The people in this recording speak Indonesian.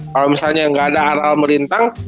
kalo misalnya gak ada aral merintang